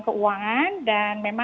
kami sudah berkoordinasi dengan kementerian